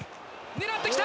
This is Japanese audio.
狙ってきた。